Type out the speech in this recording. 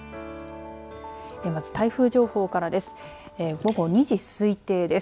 まず、台風情報からです。